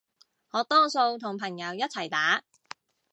我多數同朋友一齊打